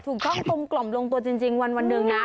ถูกต้องกลมกล่อมลงตัวจริงวันหนึ่งนะ